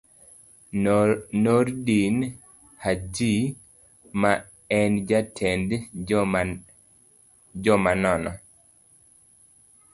Nordin Hajji, ma en jatend joma nono